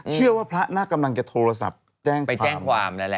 เชื่อว่าพระรากำลังจะโทรศัพท์แจ้งความแหละ